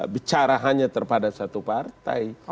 bicara hanya terhadap satu partai